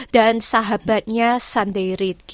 dan sahabatnya sunday reed